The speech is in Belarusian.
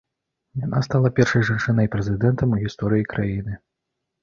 Яна стала першай жанчынай-прэзідэнтам у гісторыі краіны.